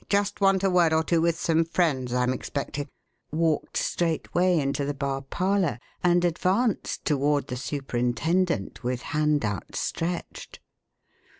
Just want a word or two with some friends I'm expecting," walked straightway into the bar parlour and advanced toward the superintendent with hand outstretched.